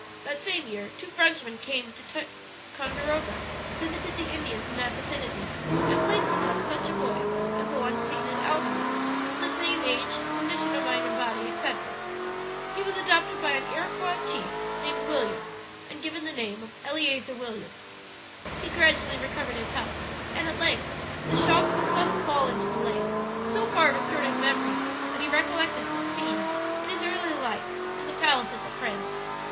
"That same year two Frenchmen came to Ticonderoga, visited the Indians in that vicinity, and placed with them such a boy as the one seen at Albany of the same age, condition of mind and body, etc. "He was adopted by an Iroquois chief named Williams, and given the name of Eleazer Williams. "He gradually recovered his health, and at length the shock of a sudden fall into the lake so far restored his memory that he recollected some scenes in his early life in the palaces of France.